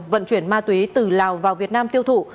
vận chuyển ma túy từ lào vào việt nam tiêu thụ